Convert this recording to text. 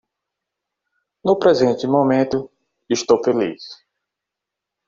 No presente momento, estou feliz